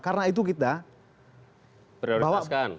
karena itu kita prioritaskan